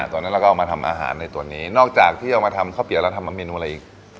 ตัวนั้นเราก็เอามาทำอาหารในตัวนี้นอกจากที่เอามาทำข้าวเตี๋ยเราทำเมนูอะไรอีก